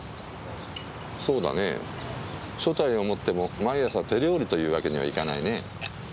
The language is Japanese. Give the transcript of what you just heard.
そうだねぇ所帯を持っても毎朝手料理というわけにはいかないねぇ。